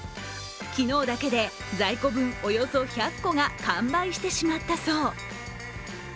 昨日だけで在庫分、およそ１００個が完売してしまったそう。